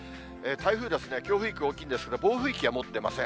台風は強風域が大きいんですが、暴風域は持ってません。